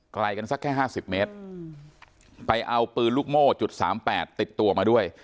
ไกลกันสักแค่๕๐เมตรไปเอาปืนลูกโม่จุดสามแปดติดตัวมาด้วย